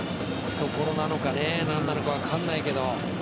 懐なのか何か分からないけど。